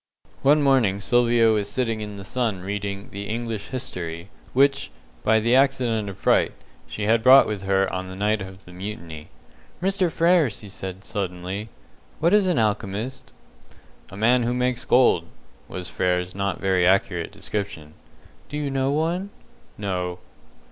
One morning Sylvia was sitting in the sun reading the "English History", which, by the accident of fright, she had brought with her on the night of the mutiny. "Mr. Frere," said she, suddenly, "what is an alchemist?" "A man who makes gold," was Frere's not very accurate definition. "Do you know one?" "No."